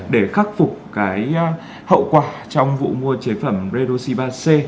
để khắc phục cái hậu quả trong vụ mua chế phẩm redoxi ba c